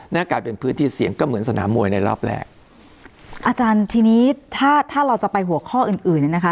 นั่นกลายเป็นพื้นที่เสี่ยงก็เหมือนสนามมวยในรอบแรกอาจารย์ทีนี้ถ้าถ้าเราจะไปหัวข้ออื่นอื่นเนี่ยนะคะ